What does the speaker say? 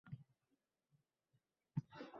Endi esa katta boʻldim.